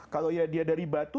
kalau ya dia dari batu